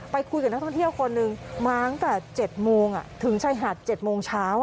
คุยกับนักท่องเที่ยวคนหนึ่งมาตั้งแต่๗โมงถึงชายหาด๗โมงเช้า